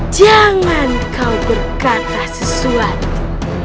jangan kau berkata sesuatu